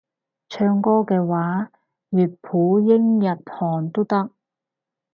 唱歌嘅話粵普英日韓都得